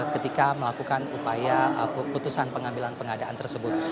ketika melakukan upaya putusan pengambilan pengadaan tersebut